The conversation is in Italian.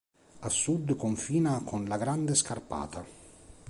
A sud confina con la Grande Scarpata.